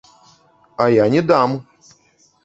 А я не дам!